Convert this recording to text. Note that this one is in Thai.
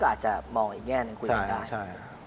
อาจจะมองอย่างแง่นั่งคุยกันได้